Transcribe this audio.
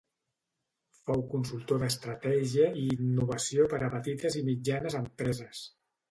Fou consultor d'estratègia i innovació per a petites i mitjanes empreses.